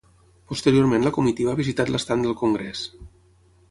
Posteriorment la comitiva ha visitat l’estand del congrés.